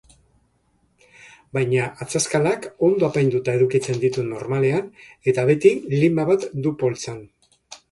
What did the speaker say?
Baina atzazkalak ondo apainduta edukitzen ditu normalean eta beti lima bat du poltsan.